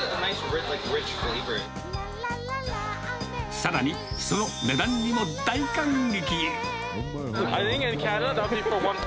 さらに、その値段にも大感激。